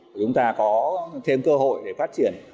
chúng ta có thêm cơ hội để phát triển